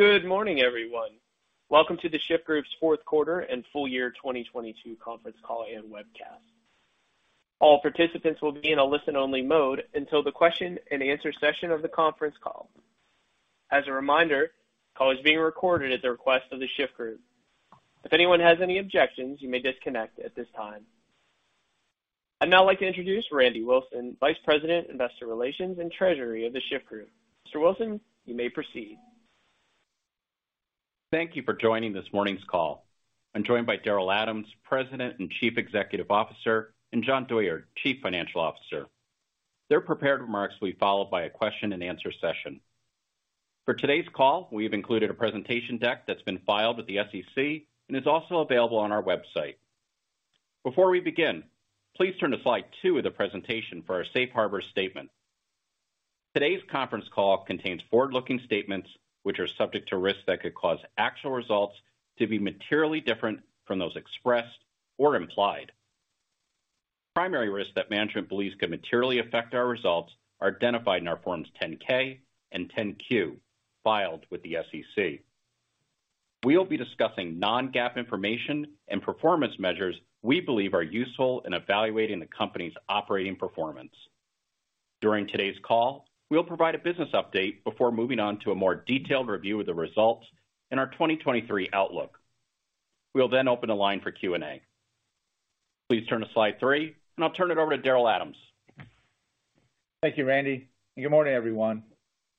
Good morning, everyone. Welcome to The Shyft Group's fourth quarter and full year 2022 Conference Call and webcast. All participants will be in a listen-only mode until the question and answer session of the conference call. As a reminder, the call is being recorded at the request of The Shyft Group. If anyone has any objections, you may disconnect at this time. I'd now like to introduce Randy Wilson, Vice President, Investor Relations and Treasury of The Shyft Group. Mr. Wilson, you may proceed. Thank you for joining this morning's call. I'm joined by Daryl Adams, President and Chief Executive Officer, and Jon Douyard, Chief Financial Officer. Their prepared remarks will be followed by a question-and-answer session. For today's call, we have included a presentation deck that's been filed with the SEC and is also available on our website. Before we begin, please turn to slide two of the presentation for our Safe Harbor statement. Today's conference call contains forward-looking statements which are subject to risks that could cause actual results to be materially different from those expressed or implied. Primary risks that management believes could materially affect our results are identified in our Forms 10-K and 10-Q filed with the SEC. We will be discussing non-GAAP information and performance measures we believe are useful in evaluating the company's operating performance. During today's call, we'll provide a business update before moving on to a more detailed review of the results in our 2023 outlook. We'll then open a line for Q&A. Please turn to slide three. I'll turn it over to Daryl Adams. Thank you, Randy. Good morning, everyone.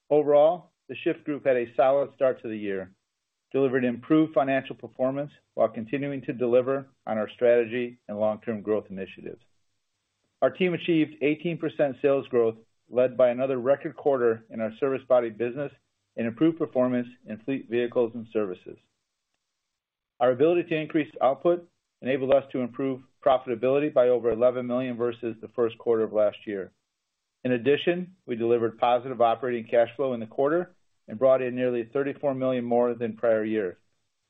Overall, The Shyft Group had a solid start to the year, delivering improved financial performance while continuing to deliver on our strategy and long-term growth initiatives. Our team achieved 18% sales growth, led by another record quarter in our service body business and improved performance in Fleet Vehicles and Services. Our ability to increase output enabled us to improve profitability by over $11 million versus the first quarter of last year. We delivered positive operating cash flow in the quarter and brought in nearly $34 million more than prior years,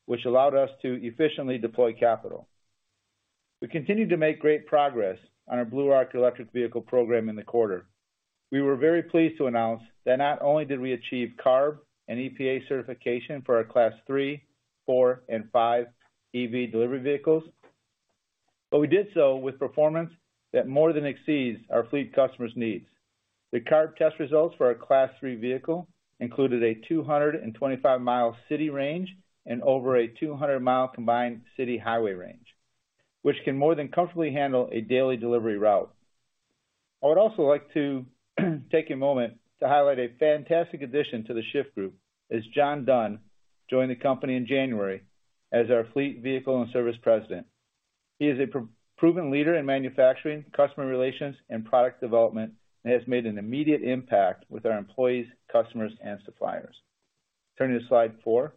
which allowed us to efficiently deploy capital. We continued to make great progress on our Blue Arc electric vehicle program in the quarter. We were very pleased to announce that not only did we achieve CARB and EPA certification for our Class three, four, and 5 EV delivery vehicles, we did so with performance that more than exceeds our fleet customers' needs. The CARB test results for our Class three vehicle included a 225 mile city range and over a 200 mile combined city highway range, which can more than comfortably handle a daily delivery route. I would also like to take a moment to highlight a fantastic addition to The Shyft Group as John Dunn joined the company in January as our Fleet Vehicles and Services President. He is a proven leader in manufacturing, customer relations, and product development and has made an immediate impact with our employees, customers, and suppliers. Turning to slide four.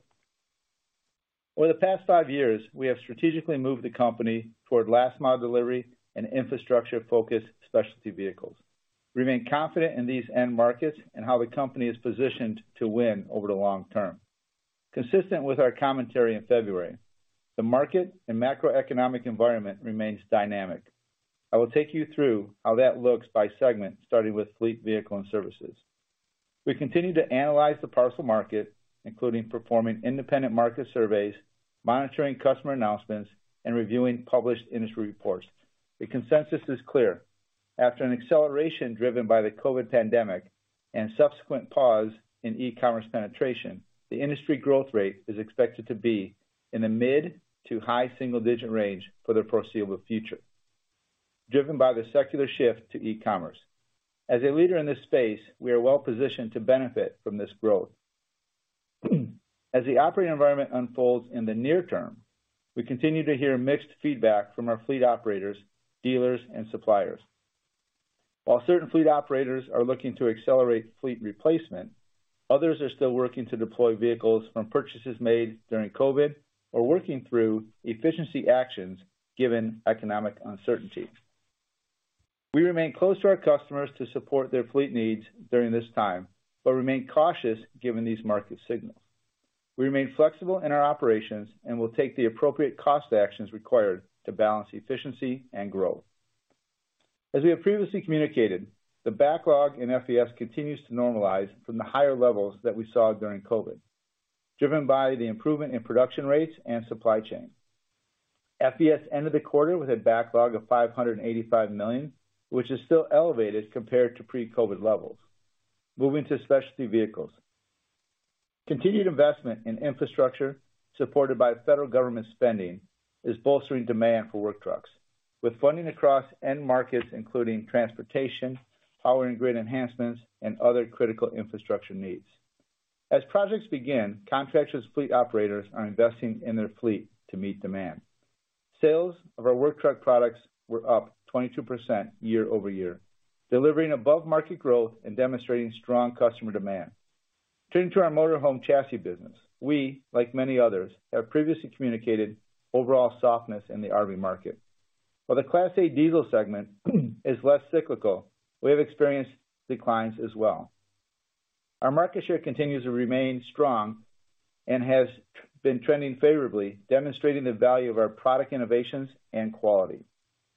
Over the past five years, we have strategically moved the company toward last mile delivery and infrastructure-focused Specialty Vehicles. We remain confident in these end markets and how the company is positioned to win over the long term. Consistent with our commentary in February, the market and macroeconomic environment remains dynamic. I will take you through how that looks by segment, starting with Fleet Vehicles and Services. We continue to analyze the parcel market, including performing independent market surveys, monitoring customer announcements, and reviewing published industry reports. The consensus is clear. After an acceleration driven by the COVID pandemic and subsequent pause in e-commerce penetration, the industry growth rate is expected to be in the mid to high single digit range for the foreseeable future, driven by the secular shift to e-commerce. As a leader in this space, we are well positioned to benefit from this growth. As the operating environment unfolds in the near term, we continue to hear mixed feedback from our fleet operators, dealers, and suppliers. While certain fleet operators are looking to accelerate fleet replacement, others are still working to deploy vehicles from purchases made during COVID or working through efficiency actions given economic uncertainty. We remain close to our customers to support their fleet needs during this time, but remain cautious given these market signals. We remain flexible in our operations and will take the appropriate cost actions required to balance efficiency and growth. As we have previously communicated, the backlog in FVS continues to normalize from the higher levels that we saw during COVID, driven by the improvement in production rates and supply chain. FVS ended the quarter with a backlog of $585 million, which is still elevated compared to pre-COVID levels. Moving to Specialty Vehicles. Continued investment in infrastructure supported by federal government spending is bolstering demand for work trucks, with funding across end markets including transportation, power and grid enhancements, and other critical infrastructure needs. As projects begin, contractors' fleet operators are investing in their fleet to meet demand. Sales of our work truck products were up 22% year-over-year, delivering above-market growth and demonstrating strong customer demand. Turning to our motor home chassis business. We, like many others, have previously communicated overall softness in the RV market. While the Class A diesel segment is less cyclical, we have experienced declines as well. Our market share continues to remain strong and has been trending favorably, demonstrating the value of our product innovations and quality.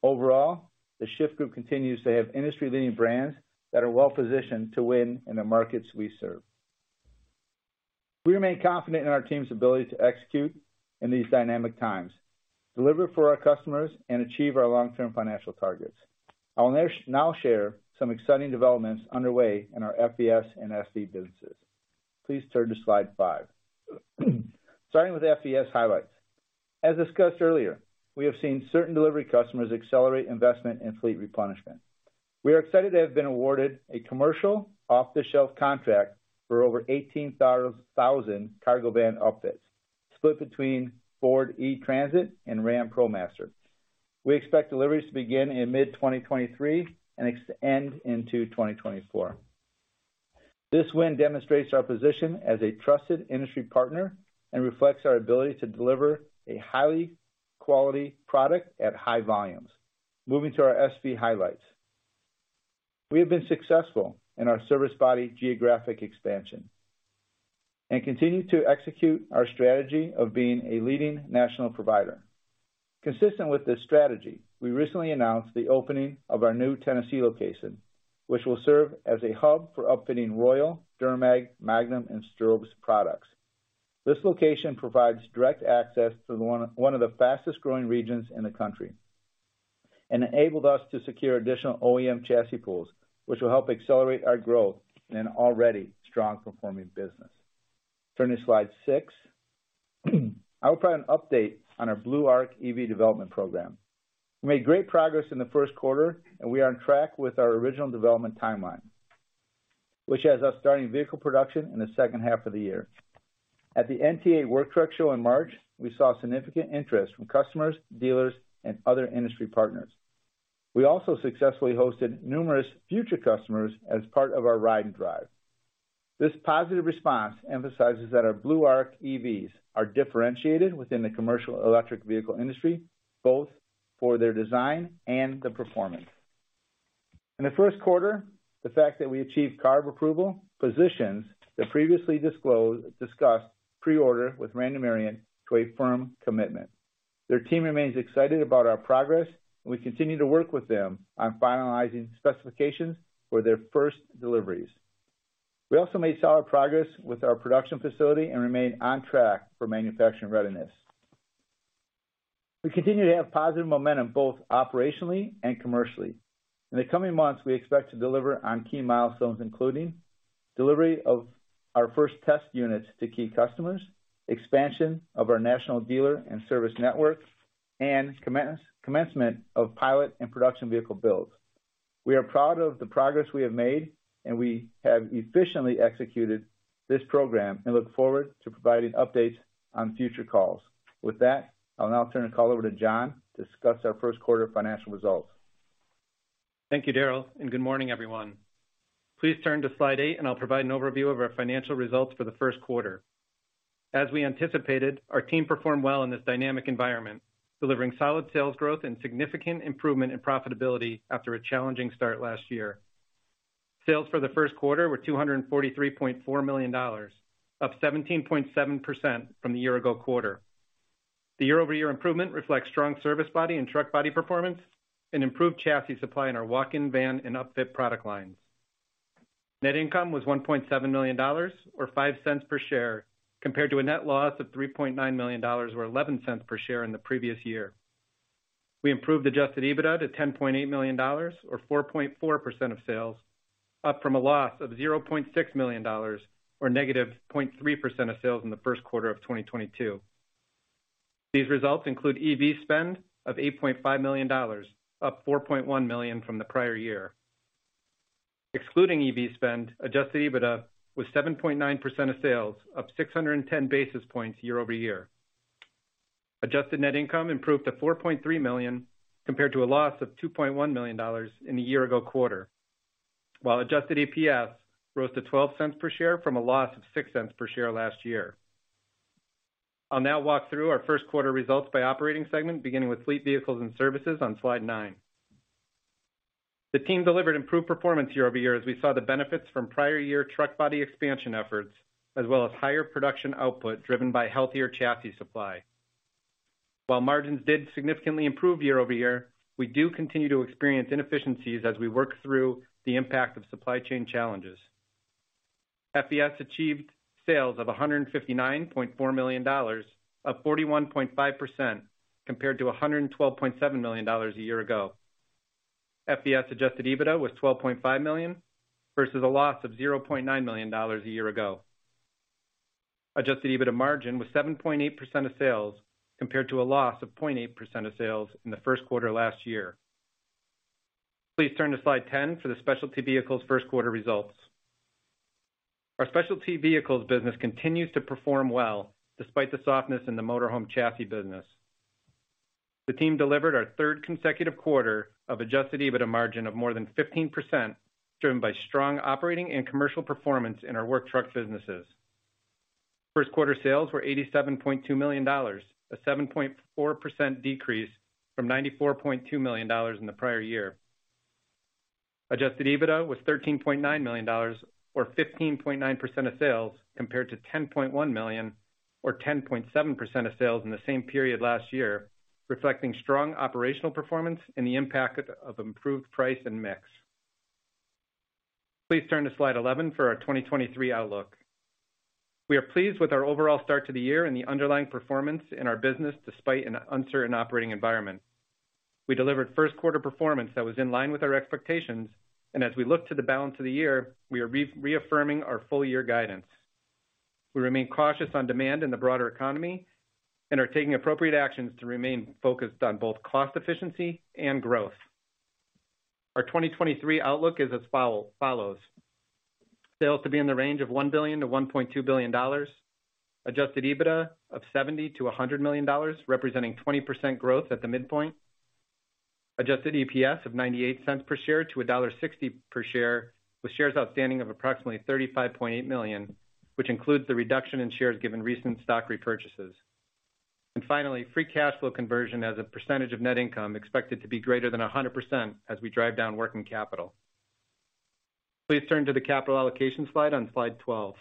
Overall, The Shyft Group continues to have industry-leading brands that are well positioned to win in the markets we serve. We remain confident in our team's ability to execute in these dynamic times, deliver for our customers, and achieve our long-term financial targets. I'll now share some exciting developments underway in our FVS and SV businesses. Please turn to slide five. Starting with FVS highlights. As discussed earlier, we have seen certain delivery customers accelerate investment in fleet replenishment. We are excited to have been awarded a commercial off-the-shelf contract for over 18,000 cargo van upfits, split between Ford E-Transit and Ram ProMaster. We expect deliveries to begin in mid-2023 and end into 2024. This win demonstrates our position as a trusted industry partner and reflects our ability to deliver a highly quality product at high volumes. Moving to our SV highlights. We have been successful in our service body geographic expansion and continue to execute our strategy of being a leading national provider. Consistent with this strategy, we recently announced the opening of our new Tennessee location, which will serve as a hub for upfitting Royal, DuraMag, Magnum, and Strobes products. This location provides direct access to one of the fastest-growing regions in the country and enabled us to secure additional OEM chassis pools, which will help accelerate our growth in an already strong performing business. Turning to slide six. I will provide an update on our Blue Arc EV development program. We made great progress in the first quarter. We are on track with our original development timeline, which has us starting vehicle production in the second half of the year. At the NTEA Work Truck Show in March, we saw significant interest from customers, dealers, and other industry partners. We also successfully hosted numerous future customers as part of our Ride and Drive. This positive response emphasizes that our Blue Arc EVs are differentiated within the commercial electric vehicle industry, both for their design and the performance. In the first quarter, the fact that we achieved CARB approval positions the previously discussed pre-order with Randy Marion to a firm commitment. Their team remains excited about our progress, and we continue to work with them on finalizing specifications for their first deliveries. We also made solid progress with our production facility and remain on track for manufacturing readiness. We continue to have positive momentum, both operationally and commercially. In the coming months, we expect to deliver on key milestones, including delivery of our first test units to key customers, expansion of our national dealer and service networks, and commencement of pilot and production vehicle builds. We are proud of the progress we have made, and we have efficiently executed this program and look forward to providing updates on future calls. With that, I'll now turn the call over to Jon to discuss our first quarter financial results. Thank you, Darrell, and good morning, everyone. Please turn to slide 8 and I'll provide an overview of our financial results for the first quarter. As we anticipated, our team performed well in this dynamic environment, delivering solid sales growth and significant improvement in profitability after a challenging start last year. Sales for the first quarter were $243.4 million, up 17.7% from the year-ago quarter. The year-over-year improvement reflects strong service body and truck body performance and improved chassis supply in our walk-in van and upfit product lines. Net income was $1.7 million or $0.05 per share, compared to a net loss of $3.9 million or $0.11 per share in the previous year. We improved adjusted EBITDA to $10.8 million or 4.4% of sales, up from a loss of $0.6 million or -0.3% of sales in the first quarter of 2022. These results include EV spend of $8.5 million, up $4.1 million from the prior year. Excluding EV spend, adjusted EBITDA was 7.9% of sales, up 610 basis points year-over-year. Adjusted net income improved to $4.3 million compared to a loss of $2.1 million in the year ago quarter, while adjusted EPS rose to $0.12 per share from a loss of $0.06 per share last year. I'll now walk through our first quarter results by operating segment, beginning with Fleet Vehicles and Services on slide 9. The team delivered improved performance year-over-year as we saw the benefits from prior year truck body expansion efforts, as well as higher production output driven by healthier chassis supply. While margins did significantly improve year-over-year, we do continue to experience inefficiencies as we work through the impact of supply chain challenges. FVS achieved sales of $159.4 million, up 41.5% compared to $112.7 million a year ago. FVS adjusted EBITDA was $12.5 million versus a loss of $0.9 million a year ago. Adjusted EBITDA margin was 7.8% of sales compared to a loss of 0.8% of sales in the first quarter last year. Please turn to slide 10 for the Specialty Vehicles first quarter results. Our Specialty Vehicles business continues to perform well despite the softness in the motorhome chassis business. The team delivered our third consecutive quarter of adjusted EBITDA margin of more than 15%, driven by strong operating and commercial performance in our work truck businesses. First quarter sales were $87.2 million, a 7.4% decrease from $94.2 million in the prior year. Adjusted EBITDA was $13.9 million or 15.9% of sales compared to $10.1 million or 10.7% of sales in the same period last year, reflecting strong operational performance and the impact of improved price and mix. Please turn to slide 11 for our 2023 outlook. We are pleased with our overall start to the year and the underlying performance in our business despite an uncertain operating environment. We delivered first quarter performance that was in line with our expectations, as we look to the balance of the year, we are reaffirming our full year guidance. We remain cautious on demand in the broader economy and are taking appropriate actions to remain focused on both cost efficiency and growth. Our 2023 outlook is as follows: Sales to be in the range of $1 billion-$1.2 billion. Adjusted EBITDA of $70 million-$100 million, representing 20% growth at the midpoint. Adjusted EPS of $0.98 per share to $1.60 per share, with shares outstanding of approximately 35.8 million, which includes the reduction in shares given recent stock repurchases. Finally, free cash flow conversion as a percentage of net income expected to be greater than 100% as we drive down working capital. Please turn to the capital allocation slide on slide 12.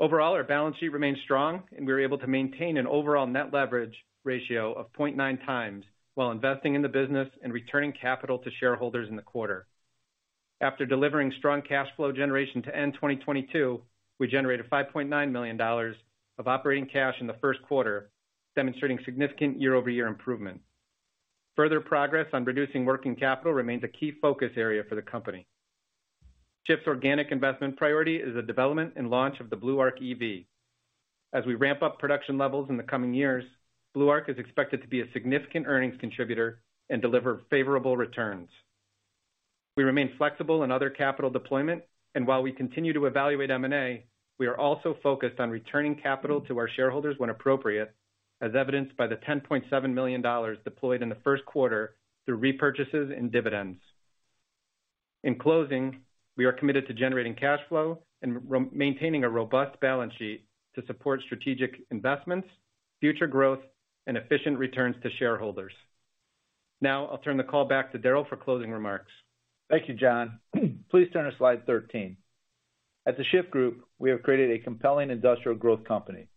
Overall, our balance sheet remains strong, and we are able to maintain an overall net leverage ratio of 0.9 times while investing in the business and returning capital to shareholders in the quarter. After delivering strong cash flow generation to end 2022, we generated $5.9 million of operating cash in the first quarter, demonstrating significant year-over-year improvement. Further progress on reducing working capital remains a key focus area for the company. Shyft's organic investment priority is the development and launch of the Blue Arc EV. As we ramp up production levels in the coming years, Blue Arc is expected to be a significant earnings contributor and deliver favorable returns. We remain flexible in other capital deployment, and while we continue to evaluate M&A, we are also focused on returning capital to our shareholders when appropriate, as evidenced by the $10.7 million deployed in the first quarter through repurchases and dividends. In closing, we are committed to generating cash flow and maintaining a robust balance sheet to support strategic investments, future growth, and efficient returns to shareholders. Now I'll turn the call back to Daryl for closing remarks. Thank you, Jon. Please turn to slide 13. At The Shyft Group, we have created a compelling industrial growth company.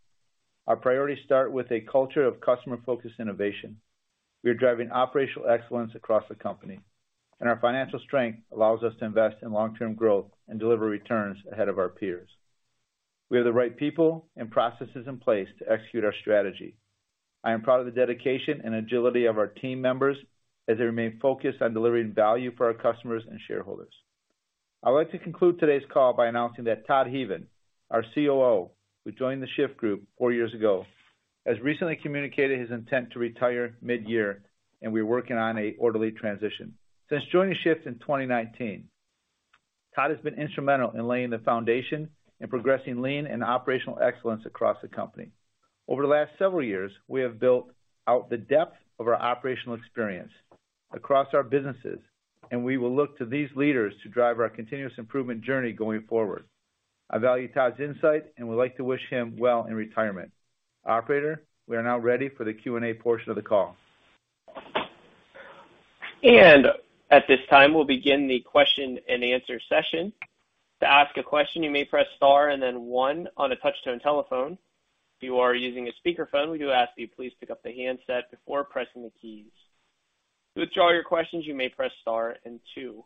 Our priorities start with a culture of customer-focused innovation. We are driving operational excellence across the company, and our financial strength allows us to invest in long-term growth and deliver returns ahead of our peers. We have the right people and processes in place to execute our strategy. I am proud of the dedication and agility of our team members as they remain focused on delivering value for our customers and shareholders. I would like to conclude today's call by announcing that Todd Heavin, our COO, who joined The Shyft Group 4 years ago, has recently communicated his intent to retire mid-year, and we're working on a orderly transition. Since joining Shyft in 2019, Todd has been instrumental in laying the foundation and progressing lean and operational excellence across the company. Over the last several years, we have built out the depth of our operational experience across our businesses, and we will look to these leaders to drive our continuous improvement journey going forward. I value Todd's insight and would like to wish him well in retirement. Operator, we are now ready for the Q&A portion of the call. At this time, we'll begin the question-and-answer session. To ask a question, you may press star and then one on a touch-tone telephone. If you are using a speakerphone, we do ask that you please pick up the handset before pressing the keys. To withdraw your questions, you may press star and two.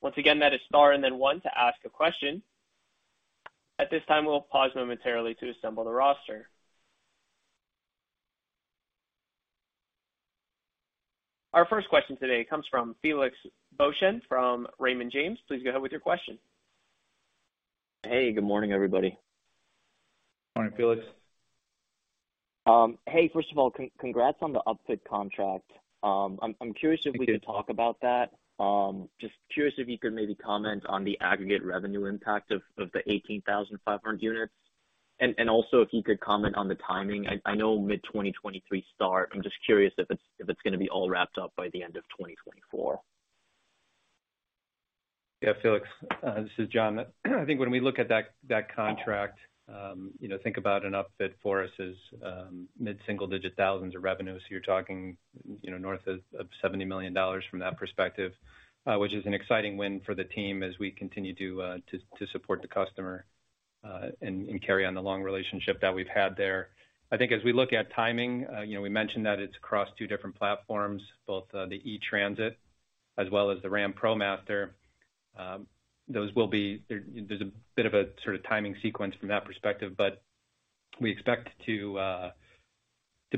Once again, that is star and then one to ask a question. At this time, we'll pause momentarily to assemble the roster. Our first question today comes from Felix Boeschen from Raymond James. Please go ahead with your question. Hey, good morning, everybody. Morning, Felix. Hey, first of all, congrats on the Upfit contract. I'm curious if we could talk about that. Just curious if you could maybe comment on the aggregate revenue impact of the 18,500 units. Also if you could comment on the timing. I know mid 2023 start. I'm just curious if it's gonna be all wrapped up by the end of 2024. Yeah, Felix, this is Jon. I think when we look at that contract, you know, think about an Upfit for us as mid-single digit thousands of revenue. You're talking, you know, north of $70 million from that perspective, which is an exciting win for the team as we continue to support the customer, and carry on the long relationship that we've had there. I think as we look at timing, you know, we mentioned that it's across two different platforms, both the E-Transit as well as the Ram ProMaster. There, there's a bit of a sort of timing sequence from that perspective, but we expect to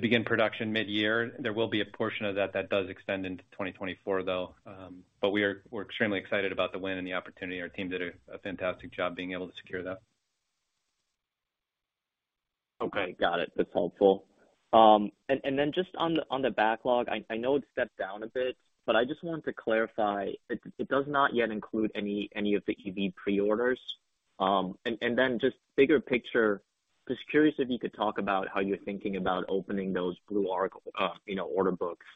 begin production mid-year. There will be a portion of that does extend into 2024, though, we're extremely excited about the win and the opportunity. Our team did a fantastic job being able to secure that. Okay. Got it. That's helpful. Then just on the backlog, I know it stepped down a bit, but I just wanted to clarify, it does not yet include any of the EV pre-orders. Then just bigger picture, just curious if you could talk about how you're thinking about opening those Blue Arc, you know, order books,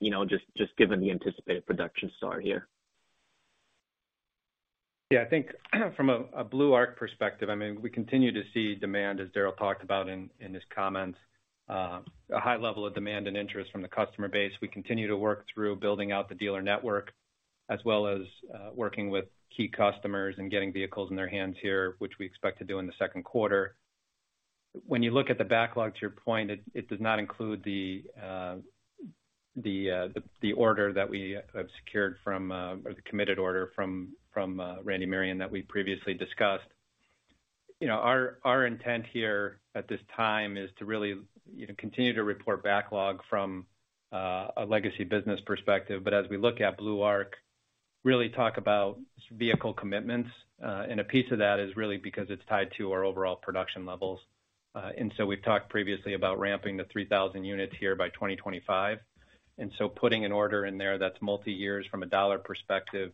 you know, just given the anticipated production start here. Yeah, I think from a Blue Arc perspective, I mean, we continue to see demand, as Daryl talked about in his comments, a high level of demand and interest from the customer base. We continue to work through building out the dealer network as well as working with key customers and getting vehicles in their hands here, which we expect to do in the second quarter. When you look at the backlog, to your point, it does not include the order that we have secured from or the committed order from Randy Marion that we previously discussed. You know, our intent here at this time is to really, you know, continue to report backlog from a legacy business perspective. As we look at Blue Arc, really talk about vehicle commitments. A piece of that is really because it's tied to our overall production levels. So we've talked previously about ramping the 3,000 units here by 2025. So putting an order in there that's multi-years from a dollar perspective,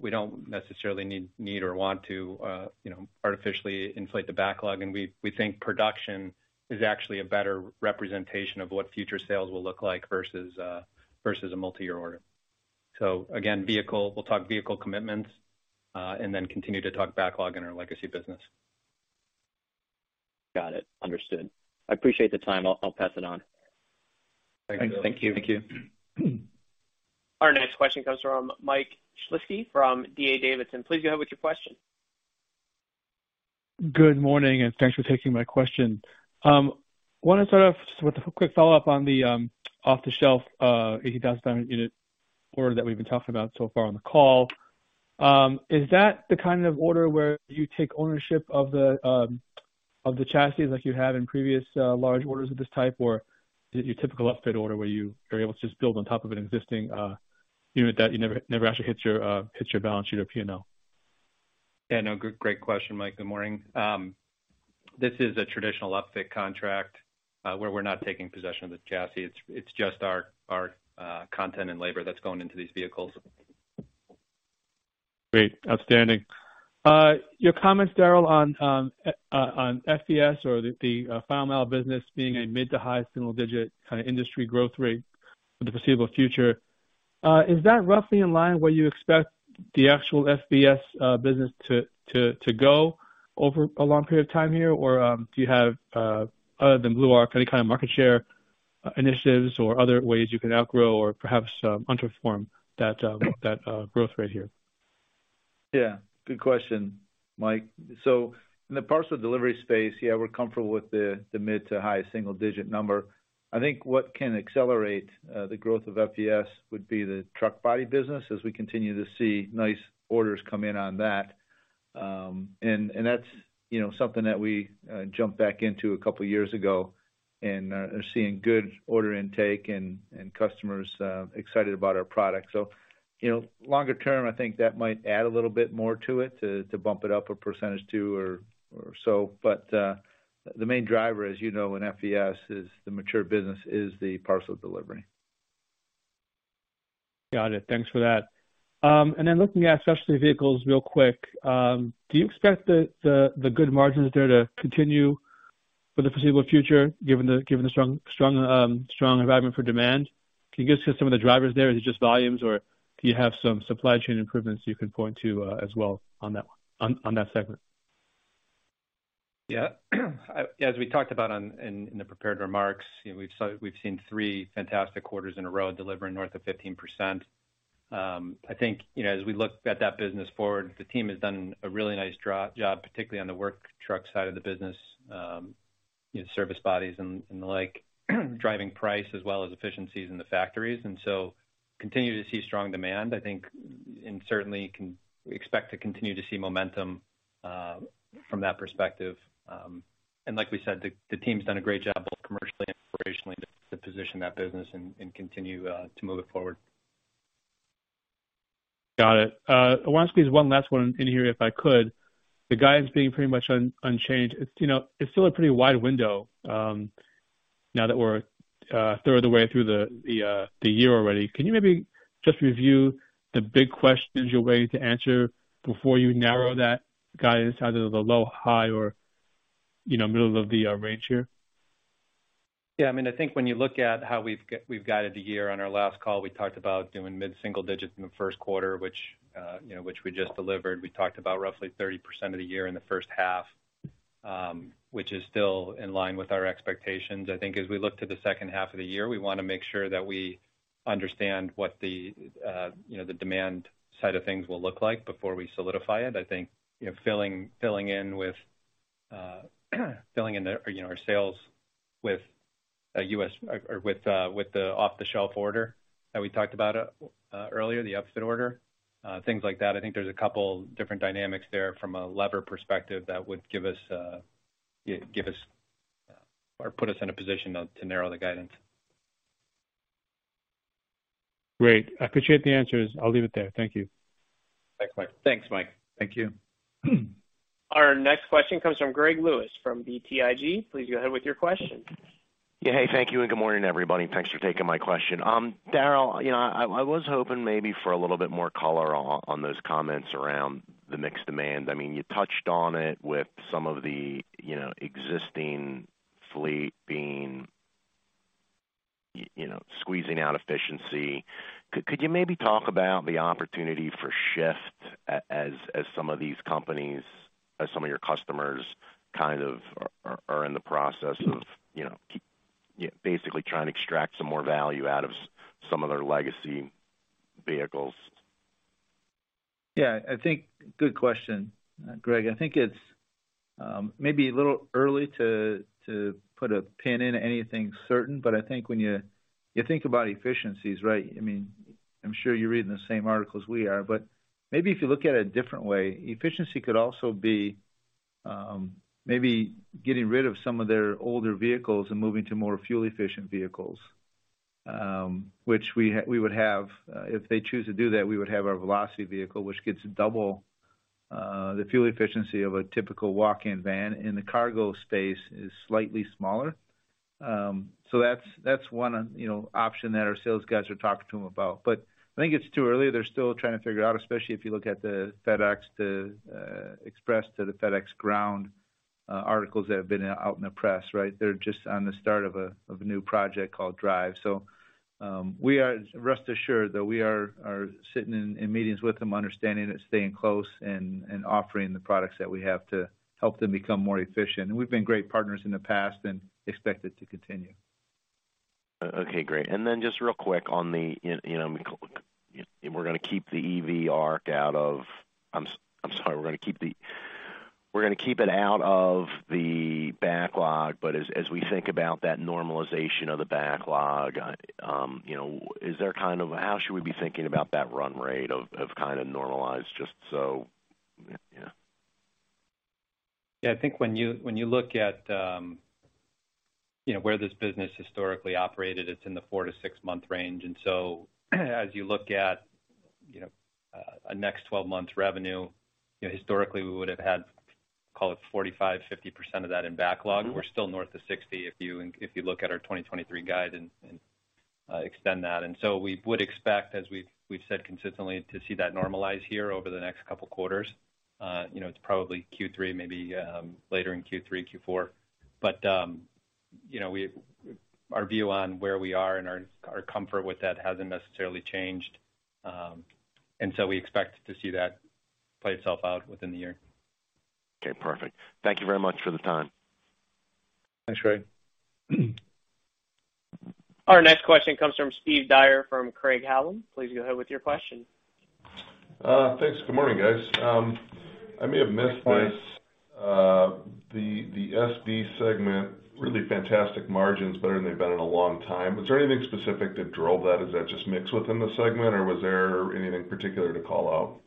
we don't necessarily need or want to, you know, artificially inflate the backlog. We think production is actually a better representation of what future sales will look like versus a multi-year order. Again, we'll talk vehicle commitments, and then continue to talk backlog in our legacy business. Got it. Understood. I appreciate the time. I'll pass it on. Thank you. Thank you. Our next question comes from Mike Shlisky from D.A. Davidson. Please go ahead with your question. Good morning. Thanks for taking my question. Wanted to start off just with a quick follow-up on the off-the-shelf 80,000 unit order that we've been talking about so far on the call. Is that the kind of order where you take ownership of the chassis like you have in previous large orders of this type? Or is it your typical upfit order where you are able to just build on top of an existing unit that you never actually hits your balance sheet or P&L? Yeah, no, great question, Mike. Good morning. This is a traditional upfit contract, where we're not taking possession of the chassis. It's just our content and labor that's going into these vehicles. Great. Outstanding. Your comments, Daryl, on on FVS or the final mile business being a mid to high single-digit kind of industry growth rate for the foreseeable future, is that roughly in line where you expect the actual FVS business to go over a long period of time here? Or do you have other than Blue Arc, any kind of market share initiatives or other ways you can outgrow or perhaps underperform that growth rate here? Good question, Mike. In the parcel delivery space, we're comfortable with the mid to high single digit number. I think what can accelerate the growth of FVS would be the truck body business as we continue to see nice orders come in on that. That's, you know, something that we jumped back into a couple years ago and are seeing good order intake and customers excited about our product. You know, longer term, I think that might add a little bit more to it to bump it up a percentage two or so. The main driver, as you know in FVS, is the mature business, is the parcel delivery. Got it. Thanks for that. Then looking at Specialty Vehicles real quick, do you expect the good margins there to continue for the foreseeable future, given the strong environment for demand? Can you give us just some of the drivers there? Is it just volumes or do you have some supply chain improvements you can point to as well on that segment? Yeah. As we talked about on, in the prepared remarks, you know, we've seen three fantastic quarters in a row delivering north of 15%. I think, you know, as we look at that business forward, the team has done a really nice job, particularly on the work truck side of the business, you know, service bodies and the like, driving price as well as efficiencies in the factories. So continue to see strong demand, I think, and certainly can expect to continue to see momentum from that perspective. Like we said, the team's done a great job both commercially and operationally to position that business and continue to move it forward. Got it. I want to squeeze one last one in here, if I could. The guidance being pretty much unchanged, it's, you know, it's still a pretty wide window, now that we're further way through the year already. Can you maybe just review the big questions you're waiting to answer before you narrow that guidance, either the low high or, you know, middle of the range here? Yeah. I mean, I think when you look at how we've guided the year, on our last call, we talked about doing mid-single digits in the first quarter, which, you know, which we just delivered. We talked about roughly 30% of the year in the first half, which is still in line with our expectations. I think as we look to the second half of the year, we want to make sure that we understand what the, you know, the demand side of things will look like before we solidify it. I think, you know, filling in with, filling in the, you know, our sales with a U.S. or with the off-the-shelf order that we talked about earlier, the upfit order, things like that. I think there's a couple different dynamics there from a lever perspective that would give us or put us in a position to narrow the guidance. Great. I appreciate the answers. I'll leave it there. Thank you. Thanks, Mike. Thanks, Mike. Thank you. Our next question comes from Greg Lewis from BTIG. Please go ahead with your question. Hey, thank you, good morning, everybody. Thanks for taking my question. Daryl, you know, I was hoping maybe for a little bit more color on those comments around the mixed demand. I mean, you touched on it with some of the, you know, existing fleet being, you know, squeezing out efficiency. Could you maybe talk about the opportunity for Shyft as some of these companies, as some of your customers kind of are in the process of, you know, basically trying to extract some more value out of some of their legacy vehicles? Yeah. I think good question, Greg. I think it's maybe a little early to put a pin in anything certain, but I think when you think about efficiencies, right? I mean, I'm sure you're reading the same articles we are. Maybe if you look at it a different way, efficiency could also be maybe getting rid of some of their older vehicles and moving to more fuel efficient vehicles, which we would have. If they choose to do that, we would have our Velocity vehicle, which gets double the fuel efficiency of a typical walk-in van, and the cargo space is slightly smaller. That's one, you know, option that our sales guys are talking to them about. I think it's too early. They're still trying to figure it out, especially if you look at the FedEx to Express to the FedEx Ground articles that have been out in the press, right? They're just on the start of a new project called Drive. We are rest assured that we are sitting in meetings with them, understanding it, staying close and offering the products that we have to help them become more efficient. We've been great partners in the past and expect it to continue. Okay, great. Just real quick on the, you know, we're gonna keep the Blue Arc out of. I'm sorry. We're gonna keep it out of the backlog. As we think about that normalization of the backlog, you know, is there kind of a how should we be thinking about that run rate of kind of normalized just so, yeah? Yeah. I think when you, when you look at, you know, where this business historically operated, it's in the four to six-month range. As you look at, you know, a next 12 months revenue, you know, historically we would have had, call it 45%, 50% of that in backlog. We're still north of 60 if you, if you look at our 2023 guide and, extend that. We would expect, as we've said consistently, to see that normalize here over the next couple quarters. You know, it's probably Q3, maybe, later in Q3, Q4. You know, our view on where we are and our comfort with that hasn't necessarily changed. We expect to see that play itself out within the year. Okay, perfect. Thank you very much for the time. Thanks, Greg. Our next question comes from Steve Dyer from Craig-Hallum. Please go ahead with your question. Thanks. Good morning, guys. I may have missed this. SV segment, really fantastic margins, better than they've been in a long time. Was there anything specific that drove that? Is that just mix within the segment or was there anything particular to call out?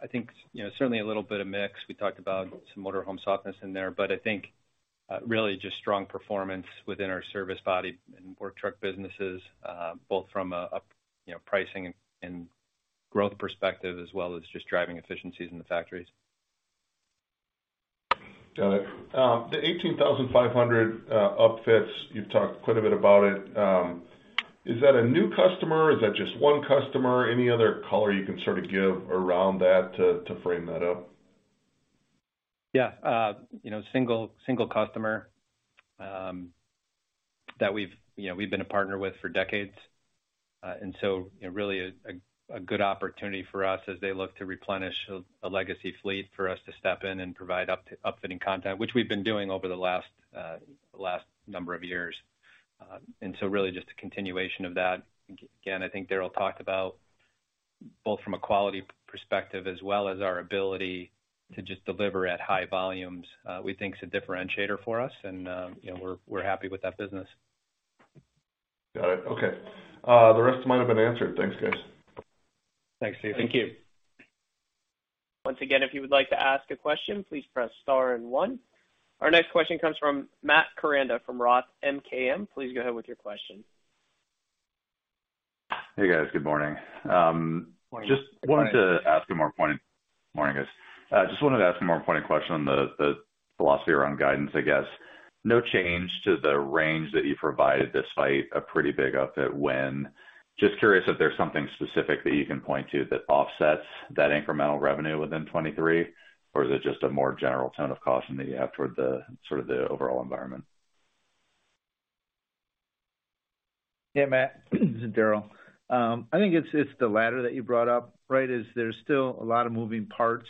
I think, you know, certainly a little bit of mix. We talked about some motorhome softness in there, but I think, really just strong performance within our service body and work truck businesses, both from a, you know, pricing and growth perspective as well as just driving efficiencies in the factories. Got it. The 18,500 upfits, you've talked quite a bit about it. Is that a new customer? Is that just one customer? Any other color you can sort of give around that to frame that up? Yeah. You know, single customer, that we've, you know, we've been a partner with for decades. You know, really a good opportunity for us as they look to replenish a legacy fleet, for us to step in and provide upfitting content, which we've been doing over the last number of years. Really just a continuation of that. Again, I think Daryl talked about both from a quality perspective as well as our ability to just deliver at high volumes, we think is a differentiator for us and, you know, we're happy with that business. Got it. Okay. The rest might have been answered. Thanks, guys. Thanks, Steve. Thank you. Once again, if you would like to ask a question, please press star and one. Our next question comes from Matt Koranda from Roth MKM. Please go ahead with your question. Hey, guys. Good morning. Morning. Good morning. Morning, guys. I just wanted to ask a more pointed question on the philosophy around guidance, I guess. No change to the range that you provided despite a pretty big upfit win. Just curious if there's something specific that you can point to that offsets that incremental revenue within 23, or is it just a more general tone of caution that you have toward the sort of the overall environment? Hey, Matt, this is Daryl. I think it's the latter that you brought up, right? Is there's still a lot of moving parts.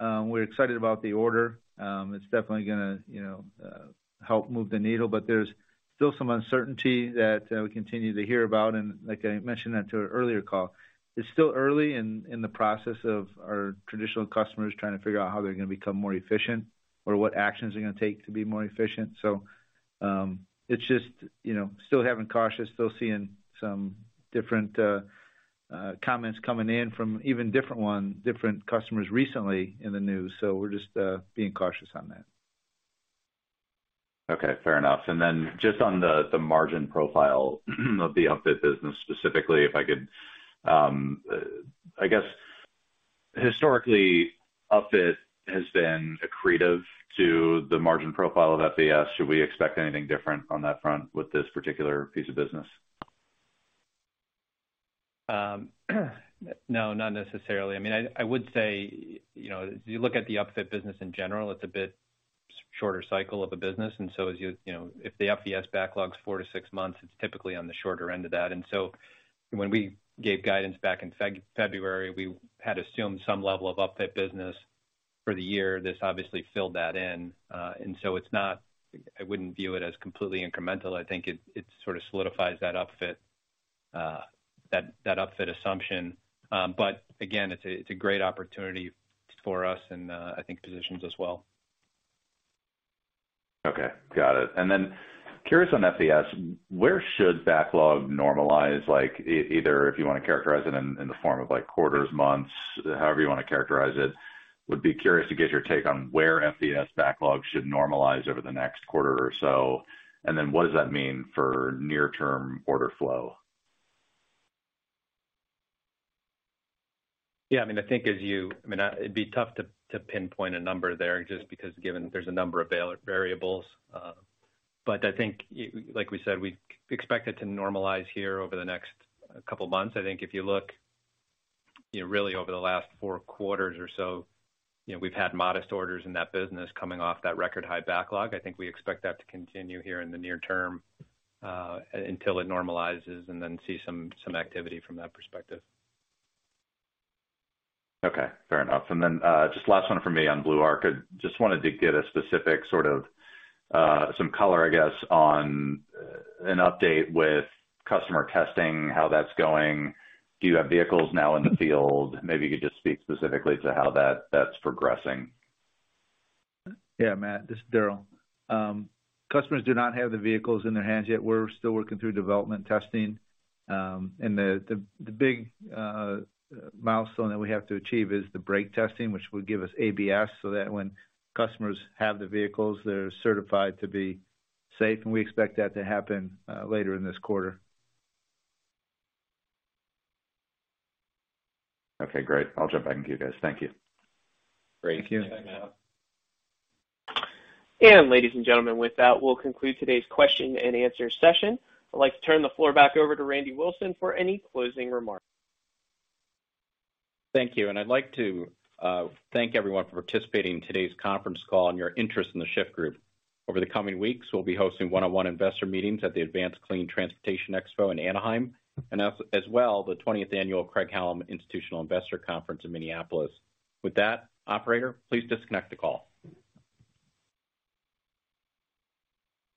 We're excited about the order. It's definitely gonna, you know, help move the needle, but there's still some uncertainty that we continue to hear about. Like I mentioned that to an earlier call, it's still early in the process of our traditional customers trying to figure out how they're gonna become more efficient or what actions they're gonna take to be more efficient. It's just, you know, still having cautious, still seeing some different comments coming in from even different customers recently in the news. We're just being cautious on that. Okay, fair enough. Just on the margin profile of the upfit business specifically, if I could. I guess historically, upfit has been accretive to the margin profile of FVS. Should we expect anything different on that front with this particular piece of business? No, not necessarily. I mean, I would say, you know, if you look at the upfit business in general, it's a bit shorter cycle of a business. As you know, if the FVS backlog's four to six months, it's typically on the shorter end of that. When we gave guidance back in February, we had assumed some level of upfit business for the year. This obviously filled that in, and so it's not. I wouldn't view it as completely incremental. I think it sort of solidifies that upfit, that upfit assumption. Again, it's a great opportunity for us and I think positions us well. Okay, got it. Curious on FVS, where should backlog normalize, like either if you wanna characterize it in the form of like quarters, months, however you wanna characterize it? Would be curious to get your take on where FVS backlog should normalize over the next quarter or so, what does that mean for near-term order flow? Yeah, I mean, I think it'd be tough to pinpoint a number there just because given there's a number of variables. I think, like we said, we expect it to normalize here over the next couple months. I think if you look, you know, really over the last four quarters or so, you know, we've had modest orders in that business coming off that record high backlog. I think we expect that to continue here in the near term until it normalizes, see some activity from that perspective. Okay, fair enough. Just last one for me on BlueArc. I just wanted to get a specific sort of, some color I guess on, an update with customer testing, how that's going. Do you have vehicles now in the field? Maybe you could just speak specifically to how that's progressing. Yeah, Matt, this is Darrell. Customers do not have the vehicles in their hands yet. We're still working through development testing. The big milestone that we have to achieve is the brake testing, which will give us ABS, so that when customers have the vehicles, they're certified to be safe, and we expect that to happen later in this quarter. Okay, great. I'll jump back and give you guys. Thank you. Great. Thank you. Thanks, Matt. ladies and gentlemen, with that, we'll conclude today's question and answer session. I'd like to turn the floor back over to Randy Wilson for any closing remarks. Thank you. I'd like to thank everyone for participating in today's conference call and your interest in The Shyft Group. Over the coming weeks, we'll be hosting one-on-one investor meetings at the Advanced Clean Transportation Expo in Anaheim, as well, the twentieth annual Craig-Hallum Institutional Investor Conference in Minneapolis. With that, operator, please disconnect the call.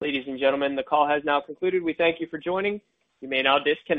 Ladies and gentlemen, the call has now concluded. We thank you for joining. You may now disconnect.